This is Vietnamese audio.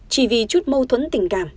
chỉ vì chút mâu thuẫn tình cảm